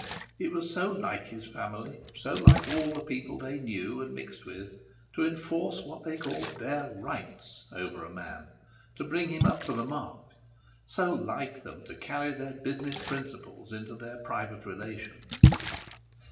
It was so like his family, so like all the people they knew and mixed with, to enforce what they called their rights over a man, to bring him up to the mark; so like them to carry their business principles into their private relations.